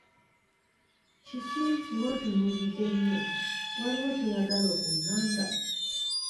Kiki ng’ontunuulidde nnyo? Waliwo ky'oyagala okungamba?